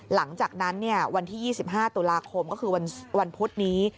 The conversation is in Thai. หลังจากนั้นวันที่๒๕ตุลาคมก็คือวันพุธนี้